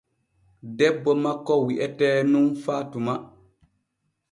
Debbo makko wi'etee nun fatuma.